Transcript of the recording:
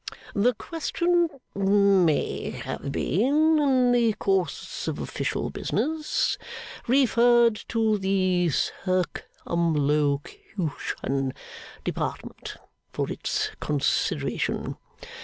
The question may have been, in the course of official business, referred to the Circumlocution Department for its consideration.